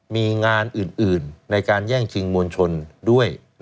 มีงานอื่นในการแย่งชิงมวลชนด้วย